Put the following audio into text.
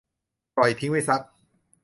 ปล่อยทิ้งไว้สัก